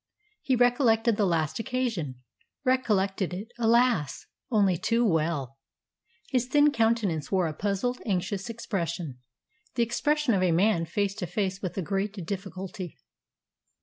He recollected the last occasion recollected it, alas! only too well. His thin countenance wore a puzzled, anxious expression, the expression of a man face to face with a great difficulty.